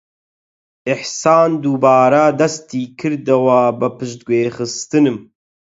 ئیحسان دووبارە دەستی کردووە بە پشتگوێخستنم.